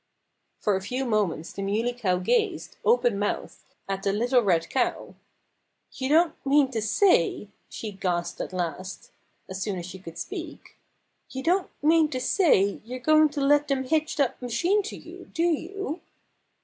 For a few moments the Muley Cow gazed, open mouthed, at the little red cow. "You don't mean to say," she gasped at last, as soon as she could speak, "you don't mean to say you're going to let them hitch that machine to you, do you?"